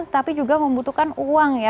tapi juga membutuhkan uang ya